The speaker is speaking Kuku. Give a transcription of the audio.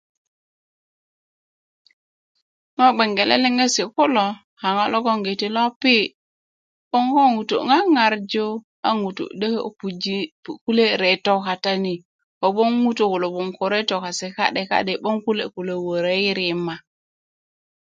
ŋo' gbeŋge leleŋesi kulo a ŋo' logoloŋgiti lopi 'boŋ ko ŋutu' ŋaŋarju ŋutu' de ko puji' kule' reto katani kogboŋ ŋutuu ulo gboŋ ko reto kase ka'deka'de' 'boŋ kule' kulo wörö yi rima